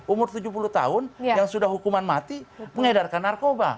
umur tujuh puluh tahun yang sudah hukuman mati mengedarkan narkoba